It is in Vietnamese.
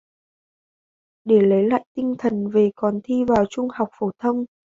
Để lấy lại tinh thần về còn thi vào trung học phổ thông